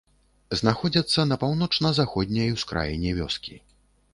Знаходзіцца на паўночна-заходняй ускраіне вёскі.